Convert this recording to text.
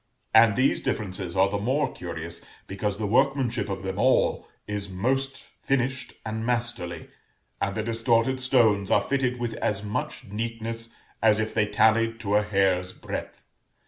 And these differences are the more curious because the workmanship of them all is most finished and masterly, and the distorted stones are fitted with as much neatness as if they tallied to a hair's breadth.